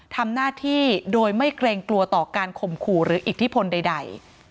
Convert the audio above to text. ทำหน้าที่โดยไม่เกรงกลัวต่อการข่มขู่หรืออิทธิพลใด